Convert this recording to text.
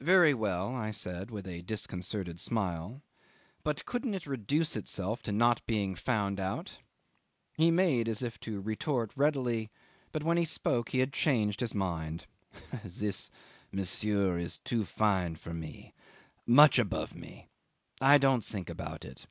"Very well," I said, with a disconcerted smile; "but couldn't it reduce itself to not being found out?" He made as if to retort readily, but when he spoke he had changed his mind. "This, monsieur, is too fine for me much above me I don't think about it."